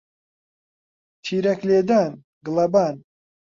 تیرەک لێدان، گڵەبان